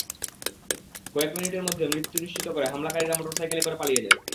কয়েক মিনিটের মধ্যে মৃত্যু নিশ্চিত করে হামলাকারীরা মোটরসাইকেলে করে পালিয়ে যায়।